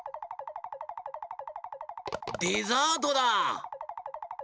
デザートだ！